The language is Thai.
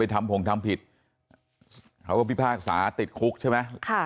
ไปทำผงทำผิดของพิพาสาติธรรพ์ใช่ไหม